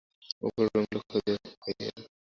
উপরের রুমগুলোতে খোঁজো, ভাইয়েরা।